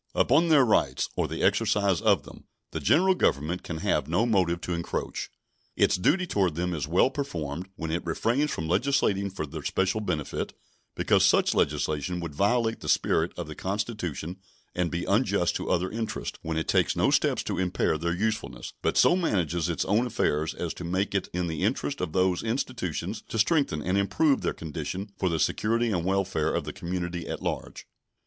Upon their rights or the exercise of them the General Government can have no motive to encroach. Its duty toward them is well performed when it refrains from legislating for their special benefit, because such legislation would violate the spirit of the Constitution and be unjust to other interests; when it takes no steps to impair their usefulness, but so manages its own affairs as to make it the interest of those institutions to strengthen and improve their condition for the security and welfare of the community at large.